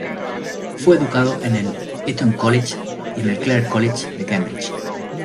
Fue educado en el Eton College y en el Clare College, de Cambridge.